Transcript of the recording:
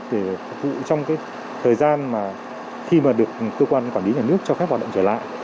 để phục vụ trong thời gian mà khi mà được cơ quan quản lý nhà nước cho phép hoạt động trở lại